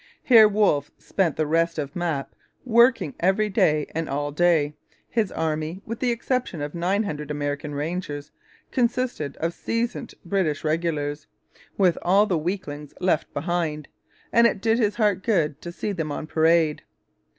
Here Wolfe spent the rest of Map, working every day and all day. His army, with the exception of nine hundred American rangers, consisted of seasoned British regulars, with all the weaklings left behind; and it did his heart good to see them on parade.